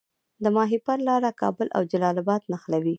د ماهیپر لاره کابل او جلال اباد نښلوي